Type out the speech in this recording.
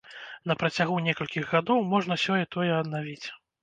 На працягу некалькіх гадоў можна сёе-тое аднавіць.